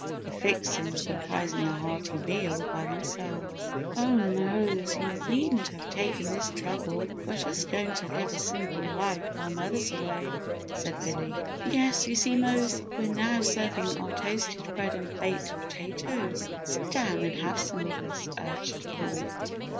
The "fixin's" comprising a hearty meal by themselves. "Oh, Mose, you needn't to have taken this trouble we're just going to live a simple life while mother's away," said Billy. "Yes, you see, Mose, we're now serving our toasted bread and baked potatoes. Sit down and have some with us?" urged Paul.